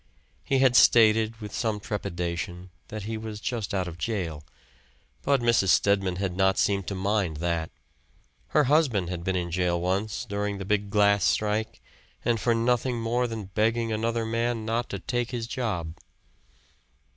He had stated, with some trepidation, that he was just out of jail; but Mrs. Stedman had not seemed to mind that. Her husband had been in jail once, during the big glass strike, and for nothing more than begging another man not to take his job.